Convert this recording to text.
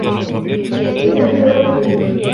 بدأت أبكي.